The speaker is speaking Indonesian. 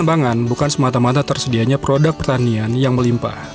pembangunan bukan semata mata tersedianya produk pertanian yang melimpah